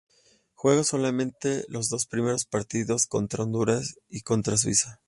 Juega solamente los dos primeros partidos, contra Honduras y contra Suiza.